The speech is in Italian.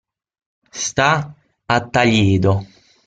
Sta a Taliedo.